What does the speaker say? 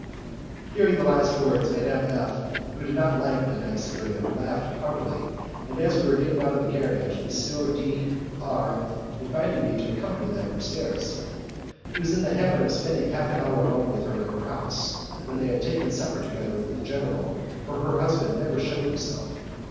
Hearing the last words, Madame F , who did not like Madame Sagredo, laughed heartily, and, as we were getting out of the carriage, M. D R invited me to accompany them upstairs. He was in the habit of spending half an hour alone with her at her own house when they had taken supper together with the general, for her husband never shewed himself.